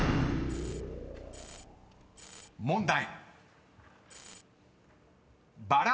［問題］